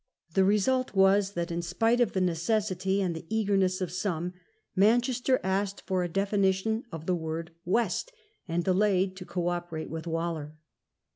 The result was, that, in spite of the necessity, and the eagerness of some, Manchester asked for a definition of the word " West ", and delayed to co operate with Waller.